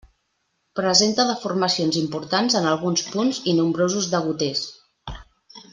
Presenta deformacions importants en alguns punts i nombrosos degoters.